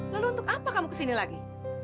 lalu untuk apa kamu kesini lagi